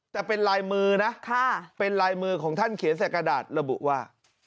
แต่เป็นลายมือนะเป็นลายมือของท่านเขียนใส่กระดาษระบุว่า